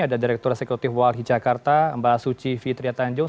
ada direktur sekretif wali jakarta mbak suci fitriatanjung